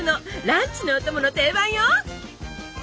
ランチのお供の定番よ。